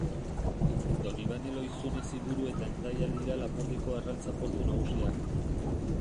Donibane Lohizune-Ziburu eta Hendaia dira Lapurdiko arrantza portu nagusiak.